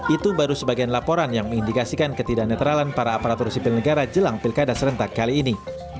itu baru sebagian laporan yang mengindikasikan ketidak netralan para aparatur sipil negara jelang pilkada serentak kali ini